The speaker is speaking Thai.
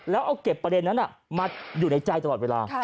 แล้วเอาเก็บประเด็นนั้นมาอยู่ในใจตลอดเวลา